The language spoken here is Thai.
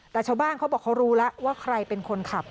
แต่ชาวบ้านเขาบอกเขารู้แล้วว่าใครเป็นคนขับ